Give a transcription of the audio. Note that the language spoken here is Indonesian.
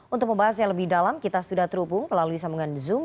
untuk membahasnya lebih dalam kita sudah terhubung melalui sambungan zoom